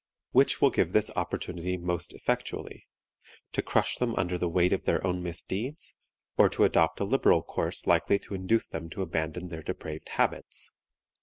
Which will give this opportunity most effectually to crush them under the weight of their own misdeeds, or to adopt a liberal course likely to induce them to abandon their depraved habits?